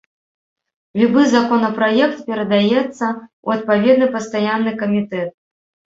Любы законапраект перадаецца ў адпаведны пастаянны камітэт.